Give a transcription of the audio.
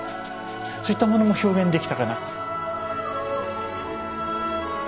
そういったものも表現できたかな。